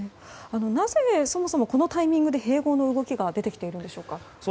なぜ、そもそもこのタイミングで併合の動きが出てきているんでしょうか。